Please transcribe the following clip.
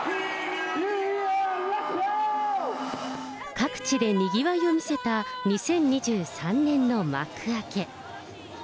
各地でにぎわいを見せた２０２３年の幕開け。